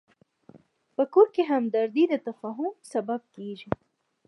په کور کې همدردي د تفاهم سبب کېږي.